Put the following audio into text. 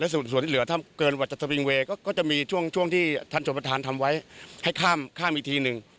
ส่วนที่เหลือถ้าเกินกว่าจะสวิงเวย์ก็จะมีช่วงที่ท่านชมประธานทำไว้ให้ข้ามอีกทีหนึ่ง